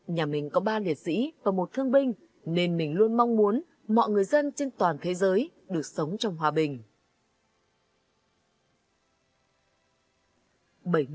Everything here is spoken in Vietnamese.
nhà mình có ba liệt sĩ và một thương binh nên mình luôn mong muốn mọi người dân trên toàn thế giới được sống trong hòa bình